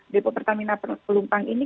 depo pertamina pelumpang ini